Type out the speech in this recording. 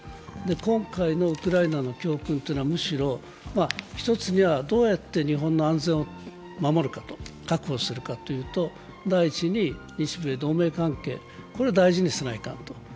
今回のウクライナの教訓というのはむしろ、１つにはどうやって日本の安全を守るか、確保するかというと、第一に日米同盟関係、これは大事にせないかんと。